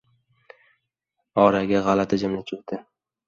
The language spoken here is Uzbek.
Oraga g‘alati jimlik cho‘kdi.